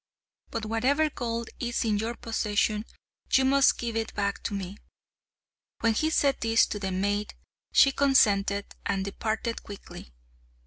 But whatever gold is in your possession you must give back to me." When he said this to the maid, she consented, and departed quickly.